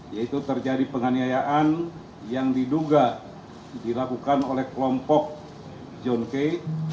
yaitu terjadi penganiayaan yang diduga dilakukan oleh kelompok john kay